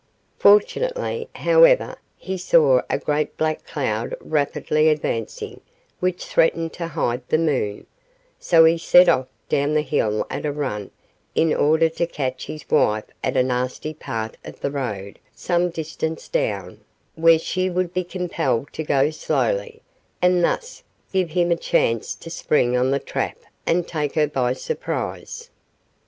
Fortunately, however, he saw a great black cloud rapidly advancing which threatened to hide the moon; so he set off down the hill at a run in order to catch his wife at a nasty part of the road some distance down, where she would be compelled to go slowly, and thus give him a chance to spring on the trap and take her by surprise.